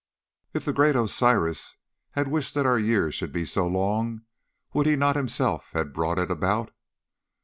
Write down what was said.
If the great Osiris had wished that our years should be so long, would he not himself have brought it about?